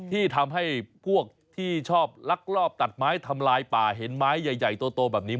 ที่ทำให้พวกที่ชอบลักลอบตัดไม้ทำลายป่าเห็นไม้ใหญ่โตแบบนี้